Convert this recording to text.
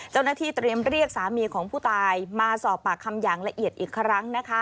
เจ้าหน้าที่เตรียมเรียกสามีของผู้ตายมาสอบปากคำอย่างละเอียดอีกครั้งนะคะ